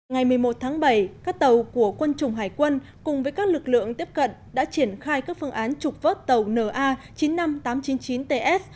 ngày một mươi một tháng bảy các tàu của quân chủng hải quân cùng với các lực lượng tiếp cận đã triển khai các phương án trục vớt tàu na chín mươi năm nghìn tám trăm chín mươi chín ts